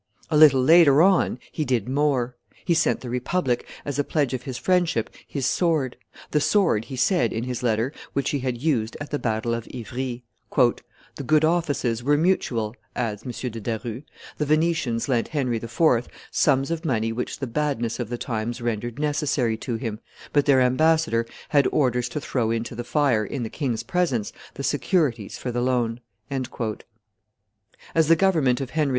A little later on he did more; he sent the republic, as a pledge of his friendship, his sword the sword, he said in his letter, which he had used at the battle of Ivry. "The good offices were mutual," adds M. de Daru; the Venetians lent Henry IV. sums of money which the badness of the times rendered necessary to him; but their ambassador had orders to throw into the fire, in the king's presence, the securities for the loan." As the government of Henry IV.